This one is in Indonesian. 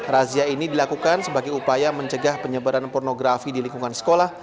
razia ini dilakukan sebagai upaya mencegah penyebaran pornografi di lingkungan sekolah